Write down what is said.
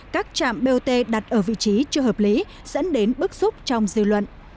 các trạm bot đặt ở vị trí chưa hợp lý dẫn đến bức xúc trong dư luận